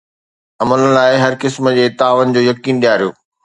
امن لاءِ هر قسم جي تعاون جو يقين ڏياريو